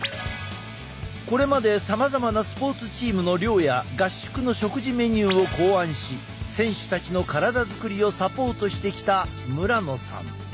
これまでさまざまなスポーツチームの寮や合宿の食事メニューを考案し選手たちの体作りをサポートしてきた村野さん。